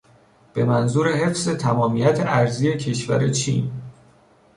به منظور حفظ تمامیت ارضی کشور چین